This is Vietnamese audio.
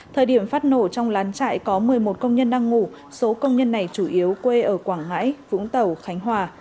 thời điểm phát nổ trong lán chạy có một mươi một công nhân đang ngủ số công nhân này chủ yếu quê ở quảng ngãi vũng tàu khánh hòa